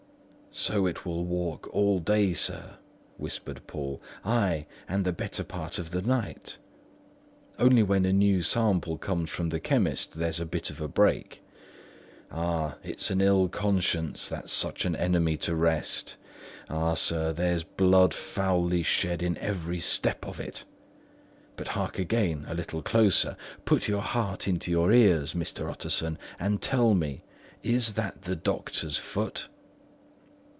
"So it will walk all day, sir," whispered Poole; "ay, and the better part of the night. Only when a new sample comes from the chemist, there's a bit of a break. Ah, it's an ill conscience that's such an enemy to rest! Ah, sir, there's blood foully shed in every step of it! But hark again, a little closer—put your heart in your ears, Mr. Utterson, and tell me, is that the doctor's foot?"